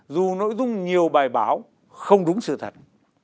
dù nội dung nhiều bài báo không đúng sự thật